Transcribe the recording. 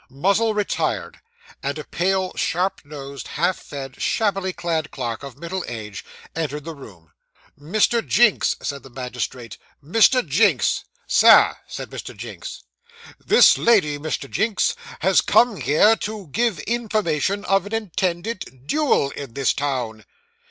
Muzzle retired; and a pale, sharp nosed, half fed, shabbily clad clerk, of middle age, entered the room. 'Mr. Jinks,' said the magistrate. 'Mr. Jinks.' 'Sir,' said Mr. Jinks. 'This lady, Mr. Jinks, has come here, to give information of an intended duel in this town.